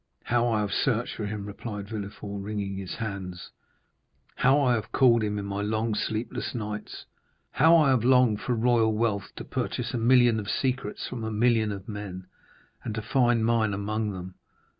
"How I have searched for him," replied Villefort, wringing his hands; "how I have called him in my long sleepless nights; how I have longed for royal wealth to purchase a million of secrets from a million of men, and to find mine among them!